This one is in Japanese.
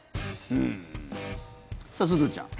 さあ、すずちゃん。